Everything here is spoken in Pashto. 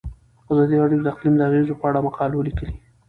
ازادي راډیو د اقلیم د اغیزو په اړه مقالو لیکلي.